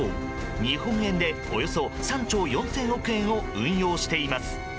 日本円でおよそ３兆４０００億円を運用しています。